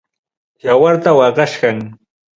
Yawarta waqachkan.